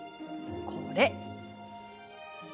これ。